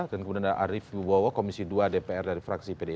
dan kemudian ada arief yubowo komisi dua dpr dari fraksi pdi